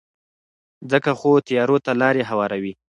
ځکه خو تیارو ته لارې هواروي.